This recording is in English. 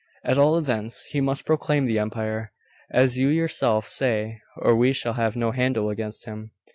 At all events, he must proclaim the empire, as you yourself say, or we shall have no handle against him.